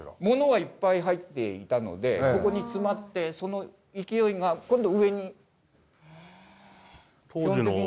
物はいっぱい入っていたのでここに詰まってその勢いが今度上に。